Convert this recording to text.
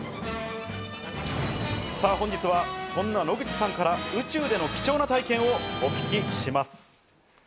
さぁ、本日はそんな野口さんから宇宙での貴重な体験をお聞きします。